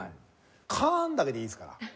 「カーン」だけでいいんですから。